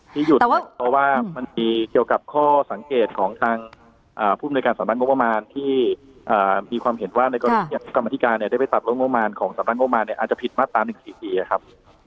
ที่หยุดเนี่ยเพราะว่ามันมีเกี่ยวกับข้อสังเกตของทางผู้บริการสำนักงบมานที่มีความเห็นว่าในการปฏิการได้ไปตัดเรื่องงบมานของสำนักงบมานเนี่ยอาจจะผิดมาตามหนึ่งสี่ทีครับ